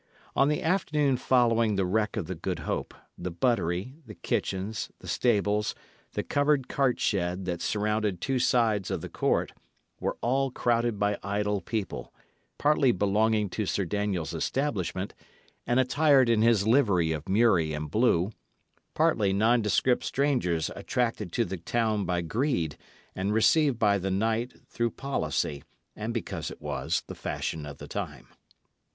On the afternoon following the wreck of the Good Hope, the buttery, the kitchens, the stables, the covered cartshed that surrounded two sides of the court, were all crowded by idle people, partly belonging to Sir Daniel's establishment, and attired in his livery of murrey and blue, partly nondescript strangers attracted to the town by greed, and received by the knight through policy, and because it was the fashion of the time.